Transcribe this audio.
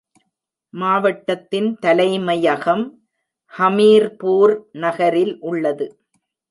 மாவட்டத்தின் தலைமையகம் ஹமீர்பூர் நகரில் உள்ளது.